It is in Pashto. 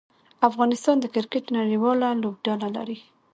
افغانستان د کرکټ نړۍواله لوبډله لري.